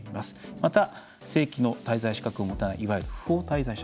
また、正規の滞在資格を持たないいわゆる不法滞在者。